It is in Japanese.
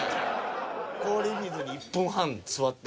氷水に１分半座って。